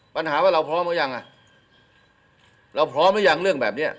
ปัญหาว่าเราพร้อมหรือยังอ่ะเราพร้อมหรือยังเรื่องแบบเนี้ย